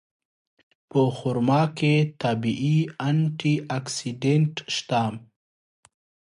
په خرما کې طبیعي انټي اکسېډنټ شته.